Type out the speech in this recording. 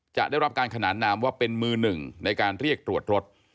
จะได้รับการขนานนามว่าเป็นมือหนึ่งในการเรียกตรวจรถ